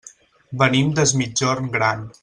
Venim des Migjorn Gran.